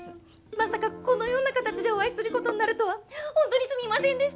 まさかこのような形でお会いすることになるとはほんとにすみませんでした。